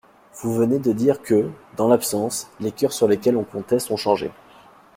Vous venez de dire que, dans l'absence, les coeurs sur lesquels on comptait sont changés.